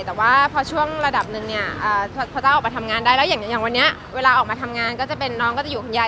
แต่ว่าพอช่วงระดับหนึ่งเนี่ยพอเจ้าออกมาทำงานได้แล้วอย่างวันนี้เวลาออกมาทำงานก็จะเป็นน้องก็จะอยู่คุณยาย